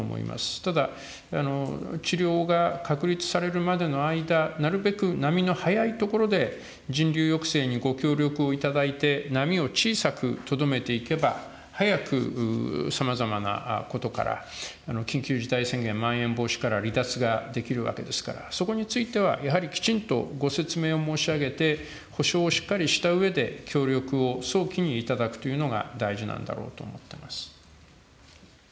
ただ、治療が確立されるまでの間、なるべく波の早いところで、人流抑制にご協力をいただいて、波を小さくとどめていけば、早くさまざまなことから緊急事態宣言、まん延防止から離脱ができるわけですから、そこについては、やはりきちんとご説明を申し上げて、補償をしっかりしたうえで、協力を早期にいただくというのが、大事なんだろうと思ってます。